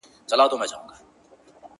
• د دنیا له هر قدرت سره په جنګ یو ,